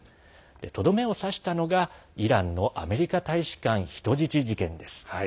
とどめを刺したのがイランのアメリカ大使館人質事件です。